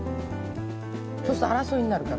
そうすると争いになるから。